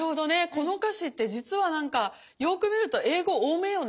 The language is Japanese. この歌詞って実はなんかよく見ると英語多めよね。